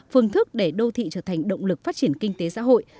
phương thức để đô thị trở thành động lực phát triển kinh tế xã hội